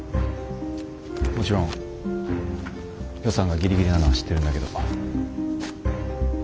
もちろん予算がギリギリなのは知ってるんだけど。